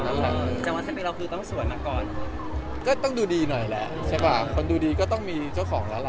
สำหรับหรือแน่นอนต้องสวยมาก่อนครับต้องดูดีหน่อยแหละคำได้ดูดีก็ต้องมีเจ้าของแหละ